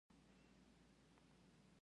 ځمکه د فیوډال خصوصي ملکیت شمیرل کیده.